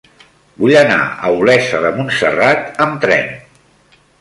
Vull anar a Olesa de Montserrat amb tren.